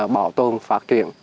bảo tồn phát triển